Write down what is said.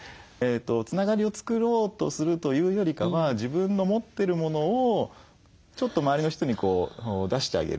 つながりを作ろうとするというよりかは自分の持ってるものをちょっと周りの人に出してあげる。